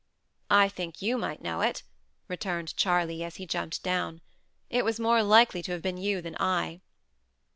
"I think you might know it," returned Charley, as he jumped down. "It was more likely to have been you than I."